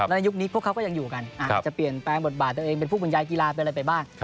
ในยุคนี้พวกเขาก็ยังอยู่กันอาจจะเปลี่ยนแปลงบทบาทนายและเป็นผู้เงายกีฬาไปบ้าง